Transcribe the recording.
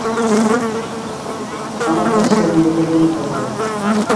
কামার-তাজকে এখন দুর্গে পরিণত হতে হবে।